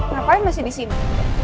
ngapain masih di sini